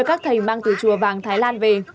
các thầy mang từ chùa vàng thái lan về